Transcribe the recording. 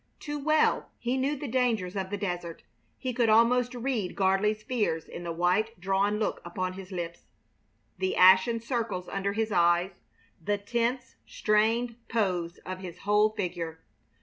Too well he knew the dangers of the desert. He could almost read Gardley's fears in the white, drawn look about his lips, the ashen circles under his eyes, the tense, strained pose of his whole figure.